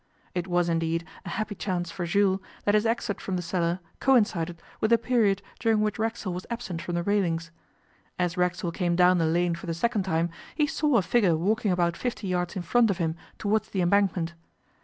It was, indeed, a happy chance for Jules that his exit from the cellar coincided with the period during which Racksole was absent from the railings. As Racksole came down the lane for the second time, he saw a figure walking about fifty yards in front of him towards the Embankment.